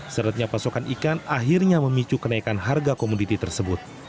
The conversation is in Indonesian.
seretnya pasokan ikan akhirnya memicu kenaikan harga komoditi tersebut